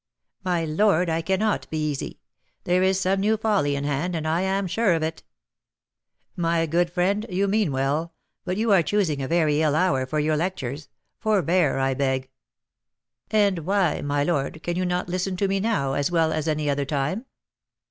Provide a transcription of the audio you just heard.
"My lord, I cannot be easy; there is some new folly in hand, and I am sure of it." "My good friend, you mean well; but you are choosing a very ill hour for your lectures; forbear, I beg." "And why, my lord, can you not listen to me now, as well as any other time?"